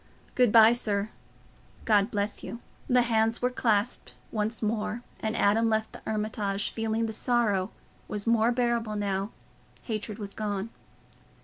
"Good bye, sir. God bless you." The hands were clasped once more, and Adam left the Hermitage, feeling that sorrow was more bearable now hatred was gone.